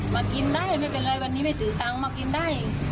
มากินได้ไม่เป็นไรวันนี้ไม่ถือตังค์มากินได้